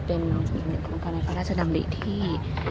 เป็นอีกหนึ่งของกรรมราชดำริที่